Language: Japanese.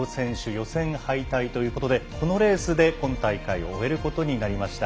予選敗退ということでこのレースで今大会を終えることになりました。